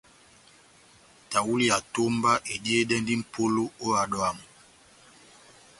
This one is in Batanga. Tahuli ya etomba ediyedɛndi mʼpolo ó ehádo yamu.